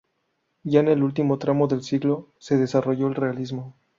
Ya en el último tramo del siglo, se desarrolló el realismo.